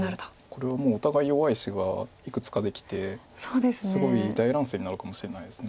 これはもうお互い弱い石がいくつかできてすごい大乱戦になるかもしれないです。